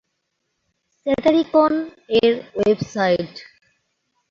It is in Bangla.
স্যাটারিকন-এর ওয়েব সাইট